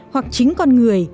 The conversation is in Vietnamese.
hoặc chính con người